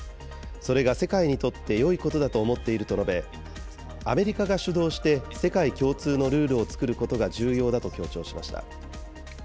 それが世界にとってよいことだと思っていると述べ、アメリカが主導して、世界共通のルールを作ることが重要だと強調しました。